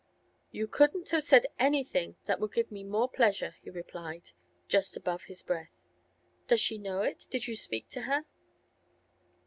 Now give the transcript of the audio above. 'You couldn't have said anything that would give me more pleasure,' he replied, just above his breath. 'Does she know it? Did you speak to her?